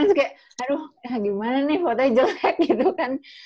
terus kayak aduh gimana nih fotonya jelek gitu kan